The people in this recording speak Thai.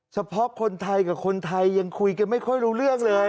เฉพาะคนไทยกับคนไทยยังคุยกันไม่ค่อยรู้เรื่องเลย